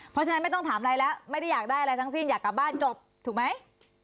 เพราะฉะนั้นไม่ต้องถามอะไรแล้วไม่ได้อยากได้อะไรทั้งสิ้นอยากกลับบ้านจบถูกไหม